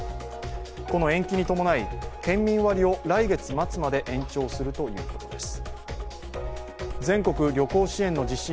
この延期に伴い、県民割を来月末まで延長するということです。